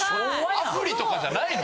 アプリとかじゃないの。